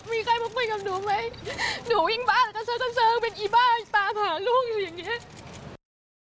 มีใครมาคุยกับหนูไหมหนูยิ่งบ้านเป็นอีบ้านตามหาลูกอย่างเงี้ย